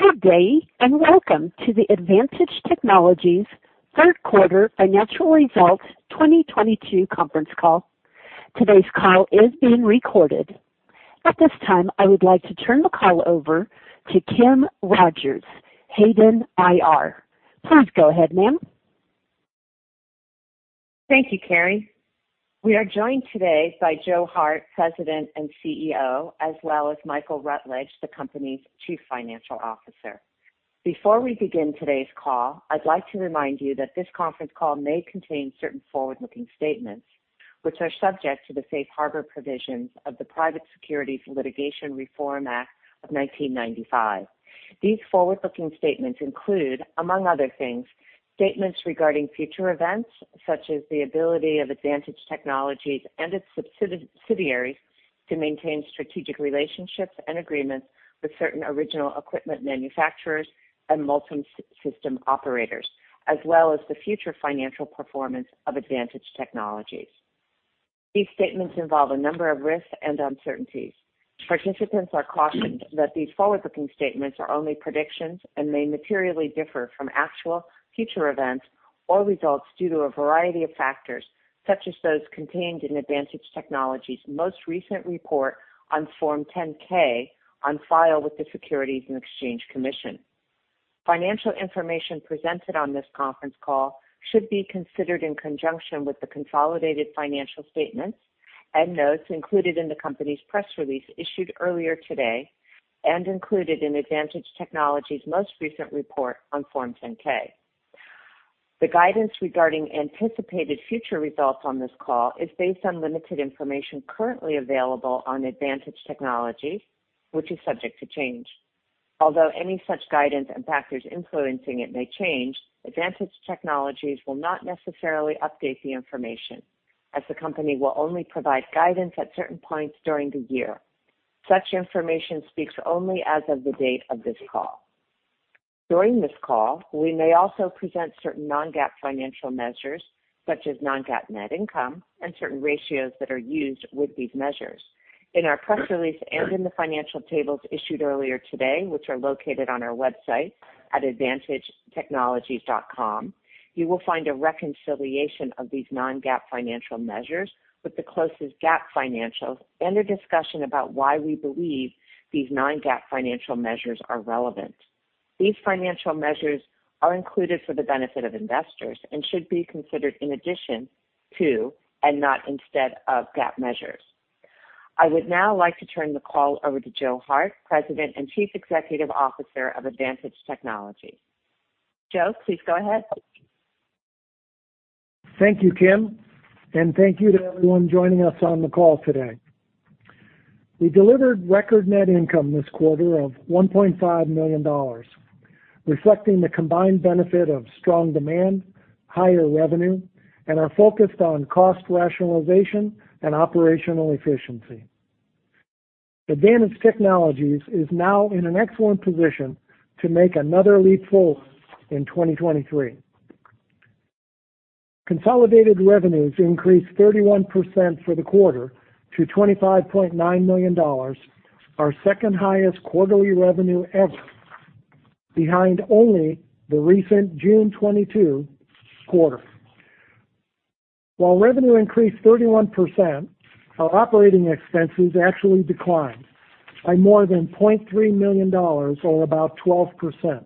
Good day, and welcome to the ADDvantage Technologies third quarter financial results 2022 conference call. Today's call is being recorded. At this time, I would like to turn the call over to Kimberly Rogers, Hayden IR. Please go ahead, ma'am. Thank you, Carrie. We are joined today by Joe Hart, President and CEO, as well as Michael Rutledge, the company's Chief Financial Officer. Before we begin today's call, I'd like to remind you that this conference call may contain certain forward-looking statements, which are subject to the Safe Harbor provisions of the Private Securities Litigation Reform Act of 1995. These forward-looking statements include, among other things, statements regarding future events, such as the ability of ADDvantage Technologies and its subsidiaries to maintain strategic relationships and agreements with certain original equipment manufacturers and multi-system Operators, as well as the future financial performance of ADDvantage Technologies. These statements involve a number of risks and uncertainties. Participants are cautioned that these forward-looking statements are only predictions and may materially differ from actual future events or results due to a variety of factors, such as those contained in ADDvantage Technologies' most recent report on Form 10-K on file with the Securities and Exchange Commission. Financial information presented on this conference call should be considered in conjunction with the consolidated financial statements and notes included in the company's press release issued earlier today and included in ADDvantage Technologies' most recent report on Form 10-K. The guidance regarding anticipated future results on this call is based on limited information currently available on ADDvantage Technologies, which is subject to change. Although any such guidance and factors influencing it may change, ADDvantage Technologies will not necessarily update the information, as the company will only provide guidance at certain points during the year. Such information speaks only as of the date of this call. During this call, we may also present certain Non-GAAP financial measures, such as Non-GAAP net income and certain ratios that are used with these measures. In our press release and in the financial tables issued earlier today, which are located on our website at addvantagetechnologies.com, you will find a reconciliation of these Non-GAAP financial measures with the closest GAAP financials and a discussion about why we believe these Non-GAAP financial measures are relevant. These financial measures are included for the benefit of investors and should be considered in addition to, and not instead of, GAAP measures. I would now like to turn the call over to Joe Hart, President and Chief Executive Officer of ADDvantage Technologies. Joe, please go ahead. Thank you, Kim, and thank you to everyone joining us on the call today. We delivered record net income this quarter of $1.5 million, reflecting the combined benefit of strong demand, higher revenue, and our focus on cost rationalization and operational efficiency. ADDvantage Technologies is now in an excellent position to make another leap forward in 2023. Consolidated revenues increased 31% for the quarter to $25.9 million, our second highest quarterly revenue ever, behind only the recent June 2022 quarter. While revenue increased 31%, our operating expenses actually declined by more than $0.3 million or about 12%.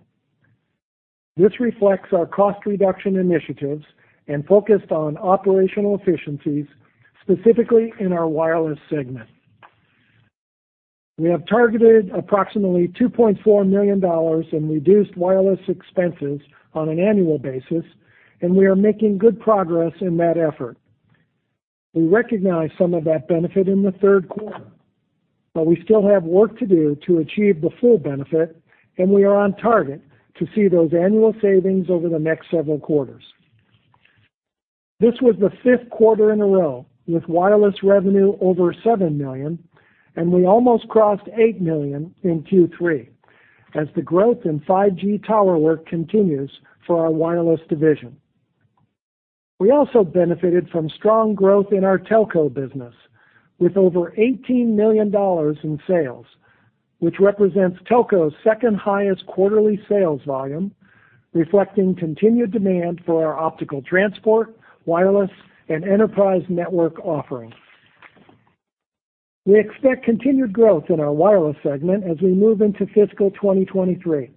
This reflects our cost reduction initiatives and focus on operational efficiencies, specifically in our wireless segment. We have targeted approximately $2.4 million in reduced wireless expenses on an annual basis, and we are making good progress in that effort. We recognize some of that benefit in the third quarter, but we still have work to do to achieve the full benefit, and we are on target to see those annual savings over the next several quarters. This was the fifth quarter in a row with wireless revenue over $7 million, and we almost crossed $8 million in Q3 as the growth in 5G tower work continues for our wireless division. We also benefited from strong growth in our telco business with over $18 million in sales, which represents telco's second highest quarterly sales volume, reflecting continued demand for our optical transport, wireless, and enterprise network offerings. We expect continued growth in our wireless segment as we move into fiscal 2023.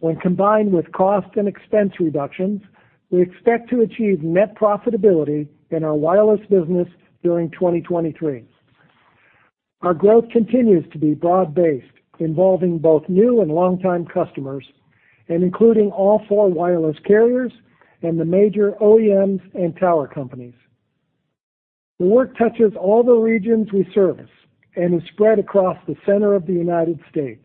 When combined with cost and expense reductions, we expect to achieve net profitability in our wireless business during 2023. Our growth continues to be broad-based, involving both new and longtime customers, and including all four wireless carriers and the major OEMs and tower companies. The work touches all the regions we service and is spread across the center of the United States.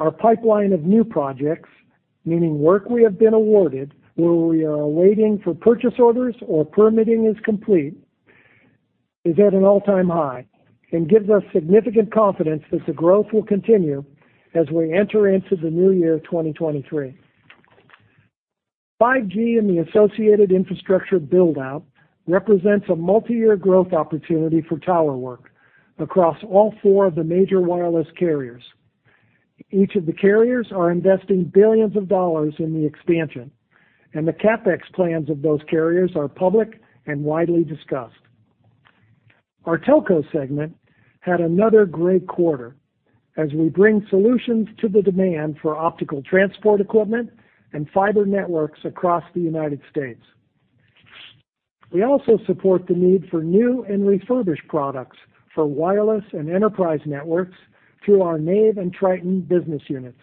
Our pipeline of new projects, meaning work we have been awarded where we are waiting for purchase orders or permitting is complete, is at an all-time high and gives us significant confidence that the growth will continue as we enter into the new year, 2023. 5G and the associated infrastructure build-out represents a multi-year growth opportunity for tower work across all four of the major wireless carriers. Each of the carriers are investing billions of dollars in the expansion, and the CapEx plans of those carriers are public and widely discussed. Our telco segment had another great quarter as we bring solutions to the demand for optical transport equipment and fiber networks across the United States. We also support the need for new and refurbished products for wireless and enterprise networks through our Nave and Triton business units.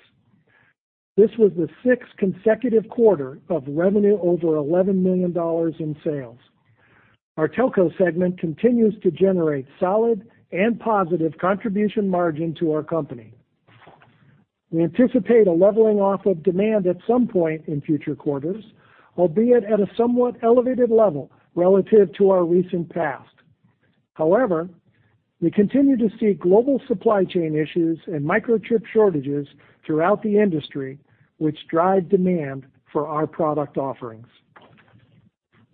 This was the sixth consecutive quarter of revenue over $11 million in sales. Our telco segment continues to generate solid and positive contribution margin to our company. We anticipate a leveling off of demand at some point in future quarters, albeit at a somewhat elevated level relative to our recent past. However, we continue to see global supply chain issues and microchip shortages throughout the industry, which drive demand for our product offerings.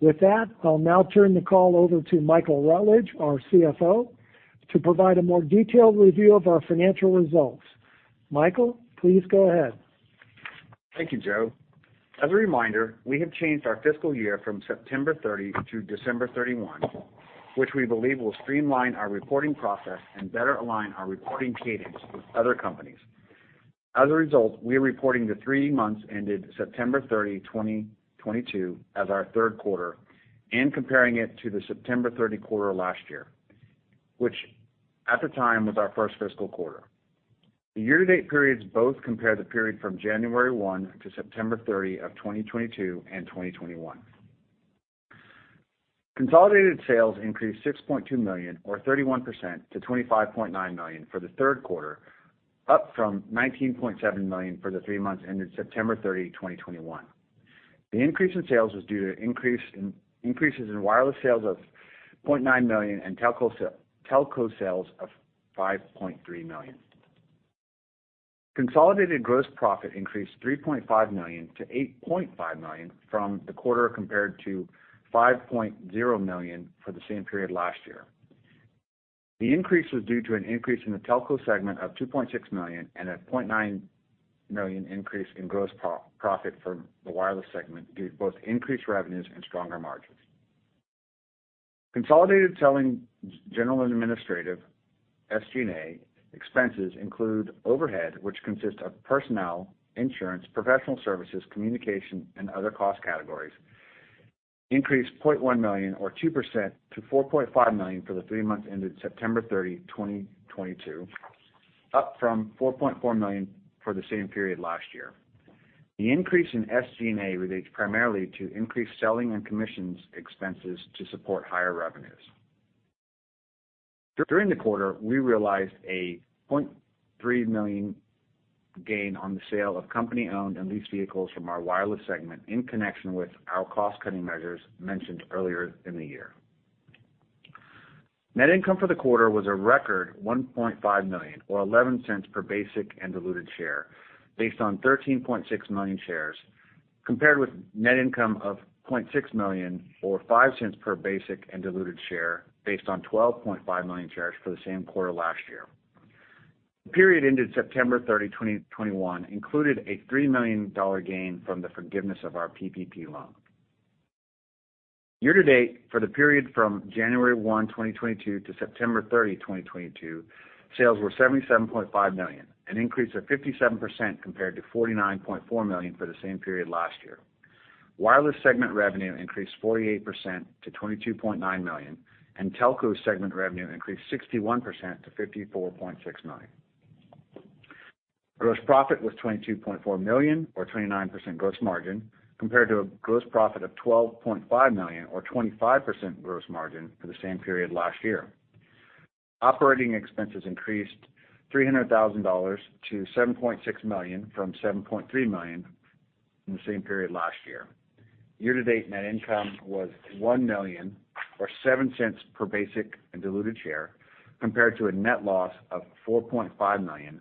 With that, I'll now turn the call over to Michael Rutledge, our CFO, to provide a more detailed review of our financial results. Michael, please go ahead. Thank you, Joe. As a reminder, we have changed our fiscal year from September 30 to December 31, which we believe will streamline our reporting process and better align our reporting cadence with other companies. As a result, we are reporting the three months ended September 30, 2022 as our third quarter and comparing it to the September 30 quarter last year, which at the time was our first fiscal quarter. The year-to-date periods both compare the period from January 1 to September 30 of 2022 and 2021. Consolidated sales increased $6.2 million or 31% to $25.9 million for the third quarter, up from $19.7 million for the three months ended September 30, 2021. The increase in sales was due to increases in wireless sales of $0.9 million and telco sales of $5.3 million. Consolidated gross profit increased $3.5 million to $8.5 million from the quarter compared to $5.0 million for the same period last year. The increase was due to an increase in the telco segment of $2.6 million and a $0.9 million increase in gross profit for the wireless segment due to both increased revenues and stronger margins. Consolidated selling, general and administrative, SG&A, expenses include overhead, which consists of personnel, insurance, professional services, communication, and other cost categories, increased $0.1 million or 2% to $4.5 million for the three months ended September 30, 2022, up from $4.4 million for the same period last year. The increase in SG&A relates primarily to increased selling and commissions expenses to support higher revenues. During the quarter, we realized a $0.3 million gain on the sale of company-owned and leased vehicles from our wireless segment in connection with our cost-cutting measures mentioned earlier in the year. Net income for the quarter was a record $1.5 million or $0.11 per basic and diluted share based on 13.6 million shares, compared with net income of $0.6 million or $0.05 per basic and diluted share based on 12.5 million shares for the same quarter last year. The period ended September 30, 2021 included a $3 million gain from the forgiveness of our PPP loan. Year to date, for the period from January 1, 2022 to September 30, 2022, sales were $77.5 million, an increase of 57% compared to $49.4 million for the same period last year. Wireless segment revenue increased 48% to $22.9 million, and telco segment revenue increased 61% to $54.6 million. Gross profit was $22.4 million or 29% gross margin compared to a gross profit of $12.5 million or 25% gross margin for the same period last year. Operating expenses increased $300,000 to $7.6 million from $7.3 million in the same period last year. Year-to-date net income was $1 million or $0.07 per basic and diluted share, compared to a net loss of $4.5 million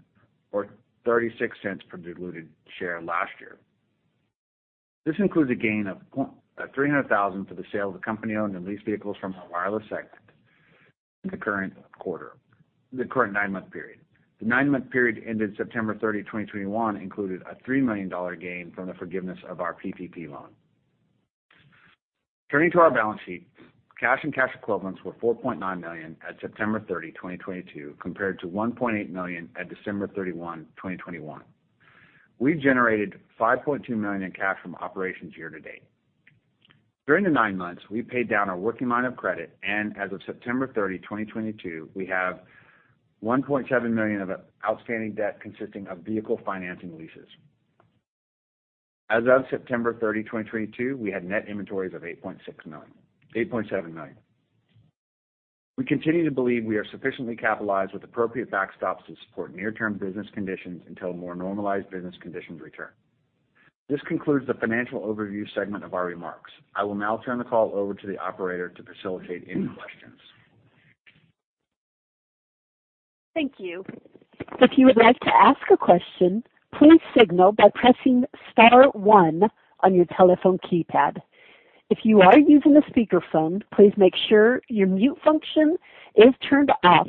or $0.36 per diluted share last year. This includes a gain of $300,000 for the sale of the company-owned and leased vehicles from our wireless segment in the current nine-month period. The nine-month period ended September 30, 2021, included a $3 million gain from the forgiveness of our PPP loan. Turning to our balance sheet, cash and cash equivalents were $4.9 million at September 30, 2022, compared to $1.8 million at December 31, 2021. We generated $5.2 million in cash from operations year to date. During the nine months, we paid down our working line of credit, and as of September 30, 2022, we have $1.7 million of outstanding debt consisting of vehicle financing leases. As of September 30, 2022, we had net inventories of $8.7 million. We continue to believe we are sufficiently capitalized with appropriate backstops to support near-term business conditions until more normalized business conditions return. This concludes the financial overview segment of our remarks. I will now turn the call over to the Operator to facilitate any questions. Thank you. If you would like to ask a question, please signal by pressing star one on your telephone keypad. If you are using a speakerphone, please make sure your mute function is turned off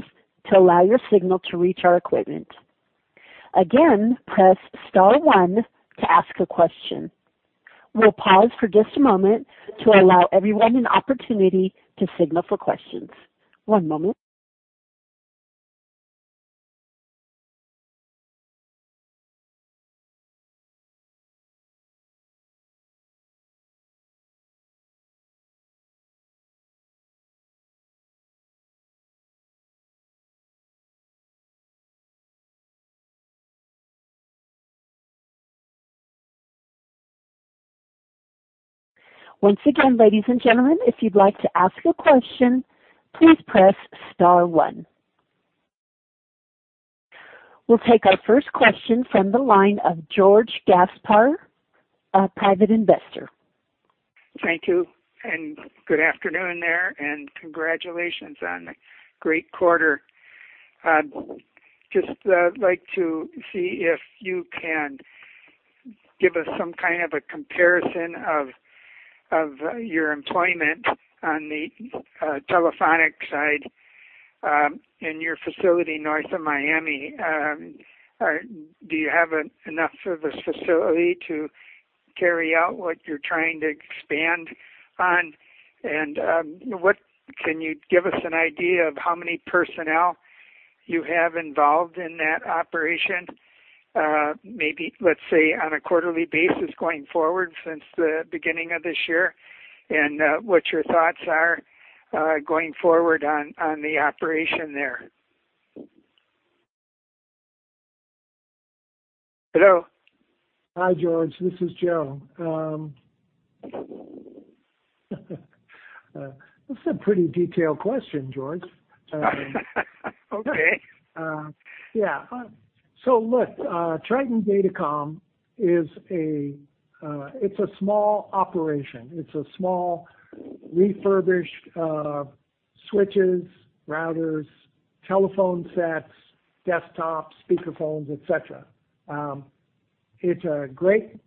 to allow your signal to reach our equipment. Again, press star one to ask a question. We'll pause for just a moment to allow everyone an opportunity to signal for questions. One moment. Once again, ladies and gentlemen, if you'd like to ask a question, please press star one. We'll take our first question from the line of George Gaspar, a Private Investor. Thank you, and good afternoon there, and congratulations on the great quarter. Just like to see if you can give us some kind of a comparison of your employment on the telecom side in your facility north of Miami. Do you have enough service facility to carry out what you're trying to expand on? Can you give us an idea of how many personnel you have involved in that operation, maybe, let's say, on a quarterly basis going forward since the beginning of this year, and what your thoughts are going forward on the operation there? Hello. Hi, George. This is Joe. That's a pretty detailed question, George. Okay. Yeah. Look, Triton Datacom is a, it's a small operation. It's a small refurbished switches, routers, telephone sets, desktops, speaker phones, et cetera. It's a great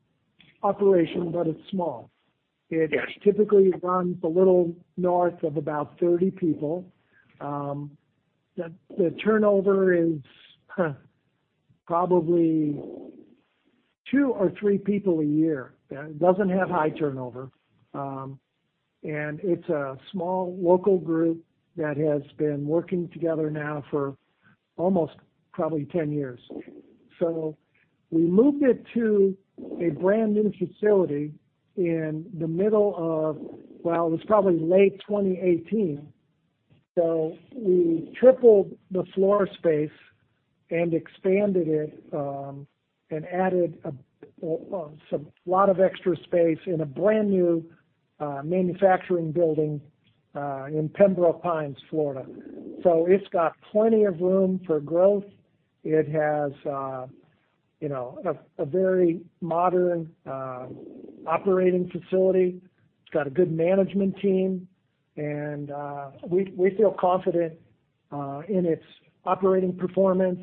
operation, but it's small. Yes. It typically runs a little north of about 30 people. The turnover is probably two or three people a year. It doesn't have high turnover. And it's a small local group that has been working together now for almost probably 10 years. We moved it to a brand-new facility in the middle of, well, it was probably late 2018. We tripled the floor space and expanded it, and added a lot of extra space in a brand-new manufacturing building in Pembroke Pines, Florida. It's got plenty of room for growth. It has you know a very modern operating facility. It's got a good management team, and we feel confident in its operating performance,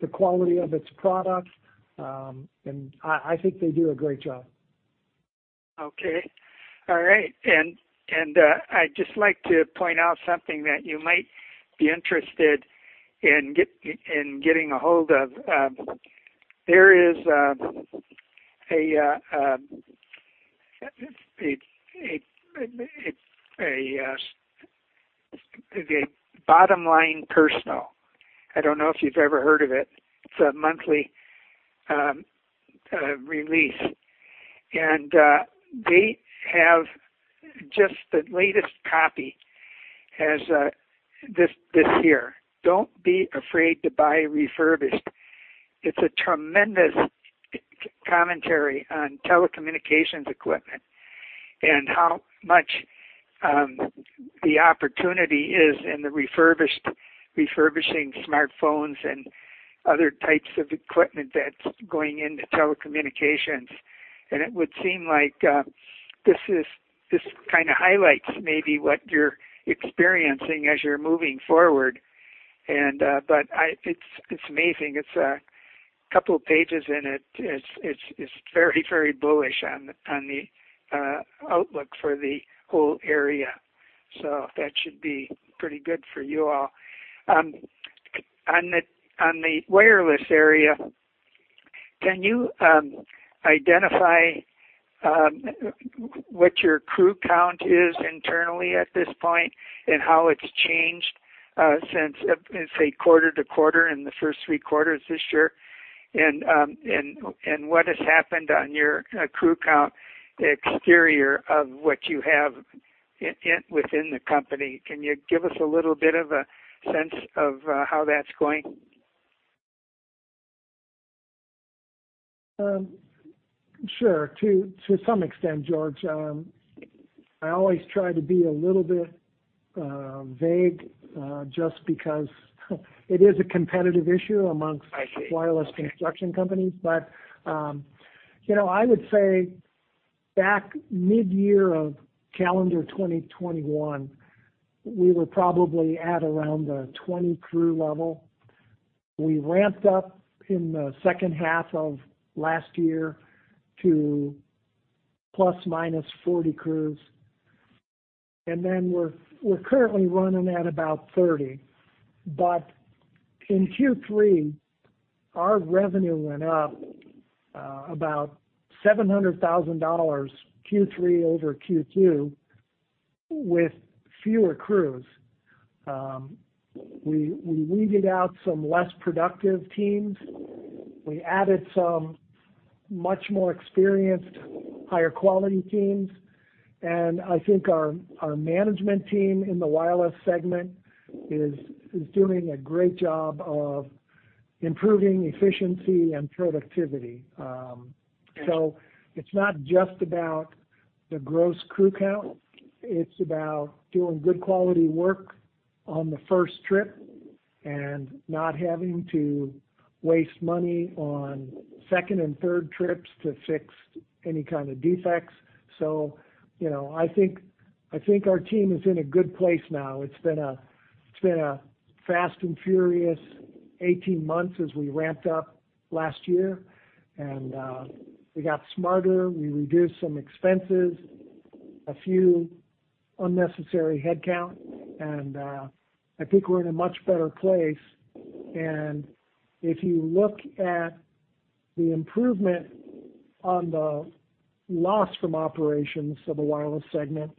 the quality of its products, and I think they do a great job. Okay. All right. I'd just like to point out something that you might be interested in getting a hold of. There is a Bottom Line Personal. I don't know if you've ever heard of it. It's a monthly release. They have just the latest copy as this year. Don't be afraid to buy refurbished. It's a tremendous commentary on telecommunications equipment and how much the opportunity is in the refurbished, refurbishing smartphones and other types of equipment that's going into telecommunications. It would seem like this kinda highlights maybe what you're experiencing as you're moving forward. It's amazing. It's a couple of pages in it. It's very bullish on the outlook for the whole area. That should be pretty good for you all. On the wireless area, can you identify what your crew count is internally at this point and how it's changed since, say, quarter to quarter in the first three quarters this year? What has happened on your crew count exterior of what you have within the company? Can you give us a little bit of a sense of how that's going? Sure. To some extent, George, I always try to be a little bit vague, just because it is a competitive issue amongst- I see. wireless construction companies. I would say back mid-year of calendar 2021, we were probably at around a 20 crew level. We ramped up in the second half of last year to plus minus 40 crews, and then we're currently running at about 30. In Q3, our revenue went up about $700,000 Q3 over Q2 with fewer crews. We weeded out some less productive teams. We added some much more experienced, higher quality teams, and I think our management team in the wireless segment is doing a great job of improving efficiency and productivity. So it's not just about the gross crew count, it's about doing good quality work on the first trip, and not having to waste money on second and third trips to fix any kind of defects. You know, I think our team is in a good place now. It's been a fast and furious 18 months as we ramped up last year, and we got smarter. We reduced some expenses, a few unnecessary headcount, and I think we're in a much better place. If you look at the improvement on the loss from operations of the wireless segment,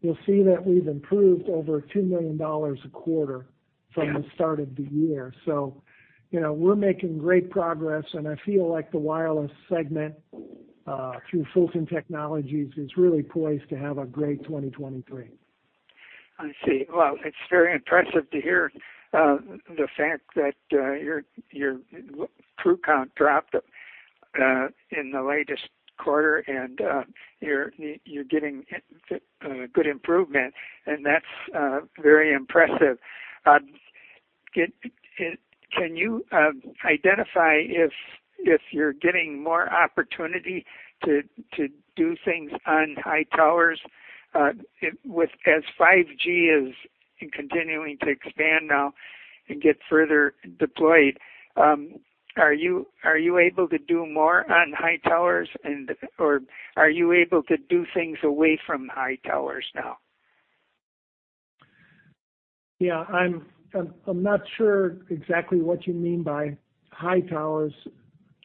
you'll see that we've improved over $2 million a quarter from the start of the year. You know, we're making great progress, and I feel like the wireless segment through Fulton Technologies is really poised to have a great 2023. I see. Well, it's very impressive to hear the fact that your crew count dropped in the latest quarter and you're getting good improvement, and that's very impressive. Can you identify if you're getting more opportunity to do things on high towers? As 5G is continuing to expand now and get further deployed, are you able to do more on high towers and or are you able to do things away from high towers now? Yeah, I'm not sure exactly what you mean by high towers,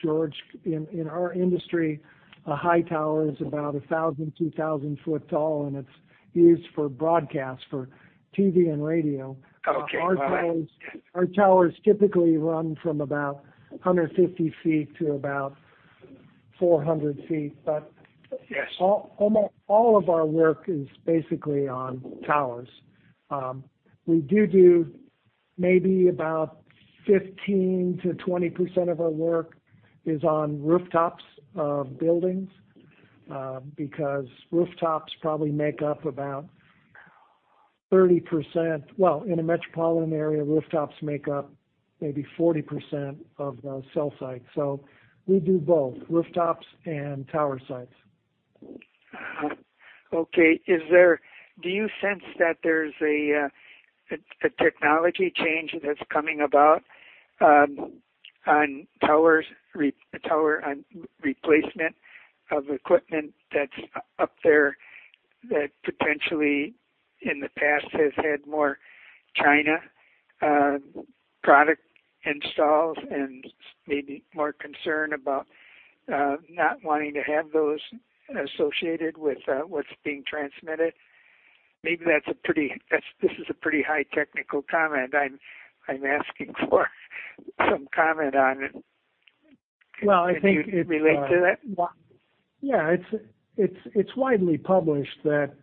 George. In our industry, a high tower is about 1,000-2,000 feet tall, and it's used for broadcast for TV and radio. Okay. All right. Our towers typically run from about 150 feet to about 400 feet. Yes. All of our work is basically on towers. We do maybe about 15%-20% of our work on rooftops of buildings, because rooftops probably make up about 30%. Well, in a metropolitan area, rooftops make up maybe 40% of the cell sites. We do both rooftops and tower sites. Okay. Do you sense that there's a technology change that's coming about on towers, tower and replacement of equipment that's up there that potentially in the past has had more China product installs and maybe more concern about not wanting to have those associated with what's being transmitted? Maybe this is a pretty high technical comment. I'm asking for some comment on it. Well, I think. Can you relate to that? Yeah. It's widely published that,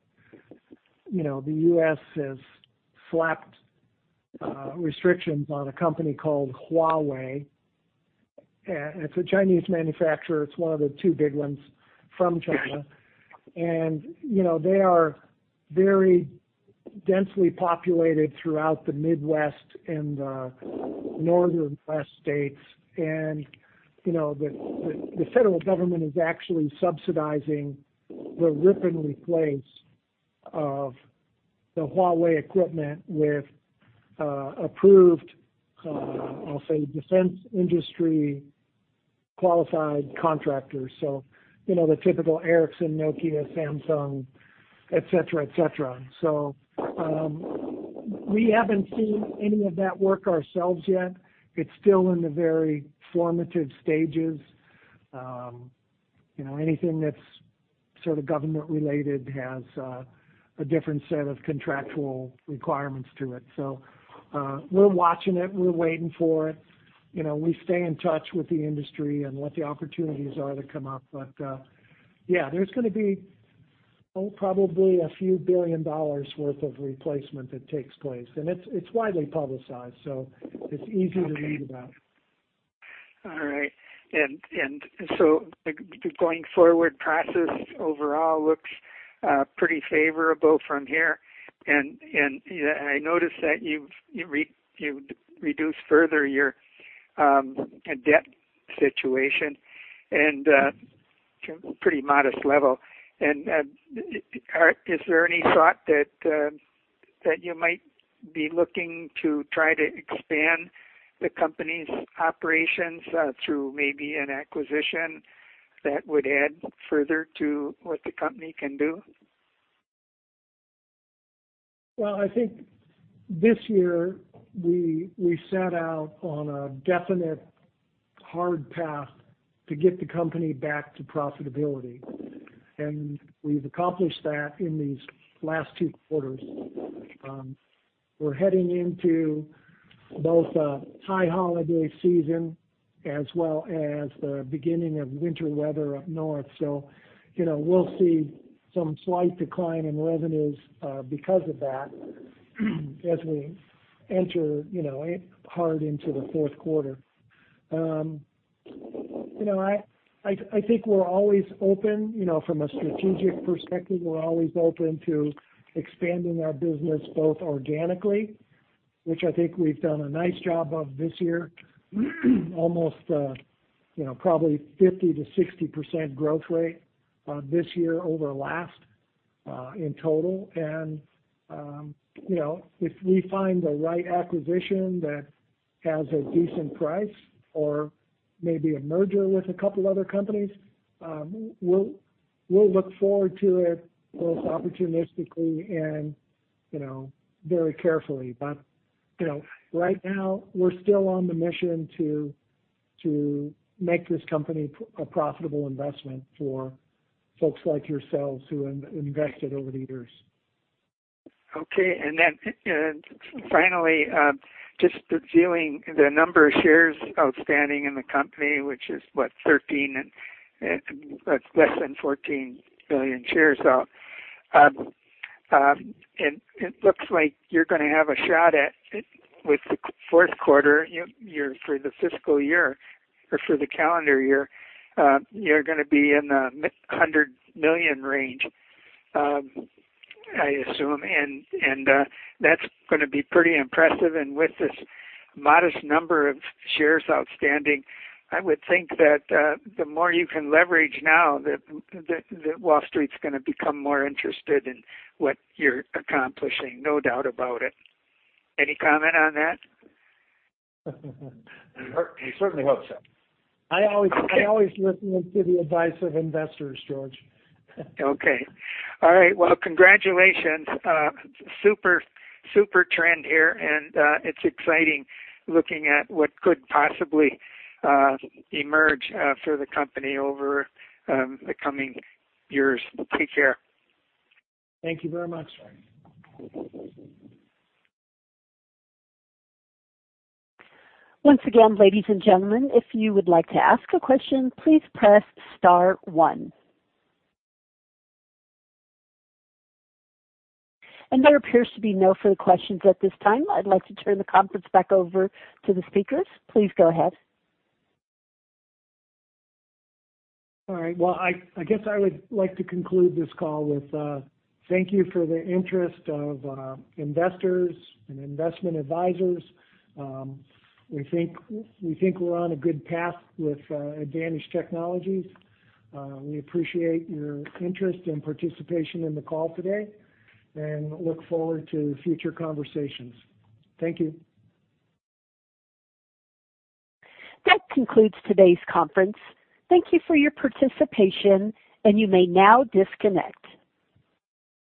you know, the U.S. has slapped restrictions on a company called Huawei. It's a Chinese manufacturer. It's one of the two big ones from China. Right. You know, they are very densely populated throughout the Midwest and Northwest states. You know, the federal government is actually subsidizing the rip and replace of the Huawei equipment with approved, I'll say defense industry qualified contractors. You know, the typical Ericsson, Nokia, Samsung, et cetera. We haven't seen any of that work ourselves yet. It's still in the very formative stages. You know, anything that's sort of government related has a different set of contractual requirements to it. We're watching it. We're waiting for it. You know, we stay in touch with the industry and what the opportunities are to come up. Yeah, there's gonna be probably $ a few billion worth of replacement that takes place. It's widely publicized, so it's easy to read about. Okay. All right. The going forward process overall looks pretty favorable from here. I noticed that you reduced further your debt situation to a pretty modest level. Is there any thought that you might be looking to try to expand the company's operations through maybe an acquisition that would add further to what the company can do? Well, I think this year we set out on a definite hard path to get the company back to profitability. We've accomplished that in these last two quarters. We're heading into both a high holiday season as well as the beginning of winter weather up north. You know, we'll see some slight decline in revenues because of that as we enter you know head into the fourth quarter. You know, I think we're always open. You know, from a strategic perspective, we're always open to expanding our business both organically, which I think we've done a nice job of this year, almost you know probably 50%-60% growth rate this year over last in total. You know, if we find the right acquisition that has a decent price or maybe a merger with a couple other companies, we'll look forward to it both opportunistically and, you know, very carefully. Right now we're still on the mission to make this company a profitable investment for folks like yourselves who invested over the years. Okay. Finally, just reviewing the number of shares outstanding in the company, which is what? 13 and less than 14 billion shares out. It looks like you're gonna have a shot at it with the fourth quarter year for the fiscal year or for the calendar year. You're gonna be in the mid-100 million range, I assume. That's gonna be pretty impressive. With this modest number of shares outstanding, I would think that the more you can leverage now, that Wall Street's gonna become more interested in what you're accomplishing, no doubt about it. Any comment on that? He certainly hopes so. I always listen to the advice of investors, George. Okay. All right. Well, congratulations. Super trend here, and it's exciting looking at what could possibly emerge for the company over the coming years. Take care. Thank you very much, George Gaspar. Once again, ladies and gentlemen, if you would like to ask a question, please press star one. There appears to be no further questions at this time. I'd like to turn the conference back over to the speakers. Please go ahead. All right. Well, I guess I would like to conclude this call with thank you for the interest of investors and investment advisors. We think we're on a good path with ADDvantage Technologies. We appreciate your interest and participation in the call today, and look forward to future conversations. Thank you. That concludes today's conference. Thank you for your participation, and you may now disconnect.